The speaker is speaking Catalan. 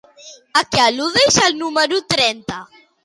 A què al·ludeix el número trenta?